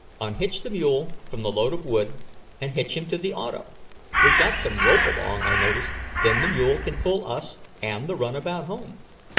"Unhitch the mule from the load of wood, and hitch him to the auto. We've got some rope along, I noticed. Then the mule can pull us and the runabout home."